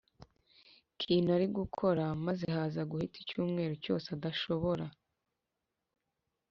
kintu ari gukora, maze haza guhita icyumweru cyose adashobora